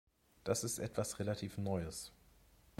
Das ist etwas relativ Neues.